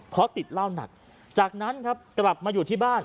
เพราะติดเหล้าหนักจากนั้นครับกลับมาอยู่ที่บ้าน